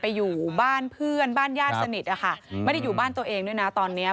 อยู่บ้านเพื่อนบ้านญาติสนิทอะค่ะไม่ได้อยู่บ้านตัวเองด้วยนะตอนเนี้ย